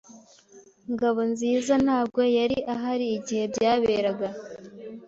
Ngabonziza ntabwo yari ahari igihe byaberaga.